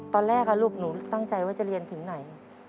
ตอนแรกลูกหนูตั้งใจว่าจะเรียนถึงไหน